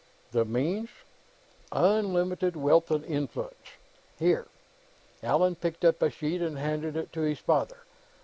"The means?" "Unlimited wealth and influence. Here." Allan picked up a sheet and handed it to his father.